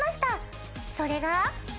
それが。